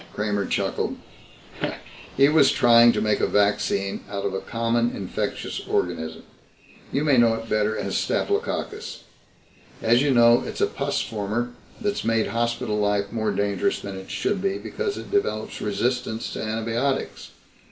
Kramer chuckled. "He was trying to make a vaccine out of a common infectious organism. You may know it better as Staphylococcus. As you know, it's a pus former that's made hospital life more dangerous than it should be because it develops resistance to antibiotics.